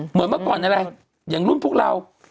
เหมือนเมื่อก่อนอะไรอย่างรุ่นพวกเรา